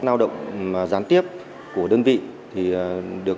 lao động gián tiếp của đơn vị thì được